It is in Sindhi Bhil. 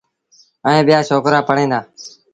ائيٚݩ ٻيٚآ ڇوڪرآ پڙوهيݩ دآ۔